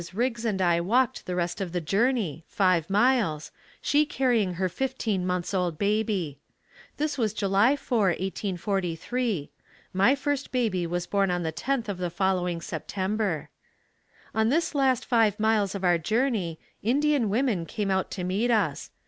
Riggs and I walked the rest of the journey, five miles, she carrying her fifteen months old baby. This was July 4, 1843. My first baby was born on the 10th of the following September. On this last five miles of our journey, Indian women came out to meet us.